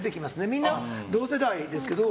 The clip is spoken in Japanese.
みんな同世代ですけど。